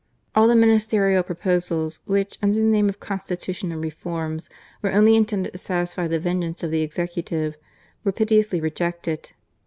All the Ministerial pro posals which, under the name of " Constitutional Reforms," were only intended to satisfy the ven geance of the Executive, were pitilessly rejected.